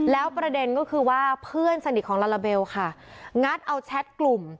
แล้วประเด็นก็คือว่าเพื่อนสนิทของลาลาเบลค่ะงัดเอาแชทกลุ่ม